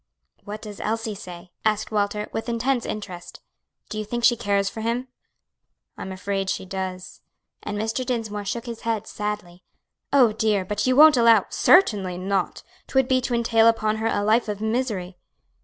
"What does Elsie say?" asked Walter, with intense interest; "do you think she cares for him?" "I'm afraid she does," and Mr. Dinsmore shook his head sadly. "Oh, dear! but you won't allow " "Certainly not; 'twould be to entail upon her a life of misery."